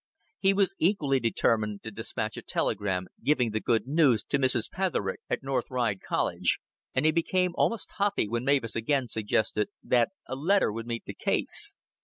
He was equally determined to despatch a telegram giving the good news to Mrs. Petherick at North Ride Cottage, and he became almost huffy when Mavis again suggested that a letter would meet the case.